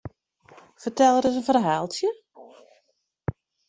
Fertel ris in ferhaaltsje?